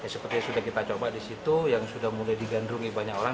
seperti yang sudah kita coba di situ yang sudah mulai digandrungi banyak orang